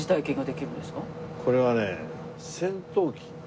これはね戦闘機。